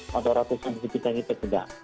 moderator seperti kita itu juga